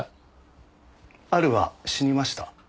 アルは死にました。